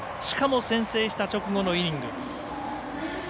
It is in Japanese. しかも先制した直後のイニング。